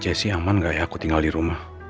jesse aman gak ya aku tinggal di rumah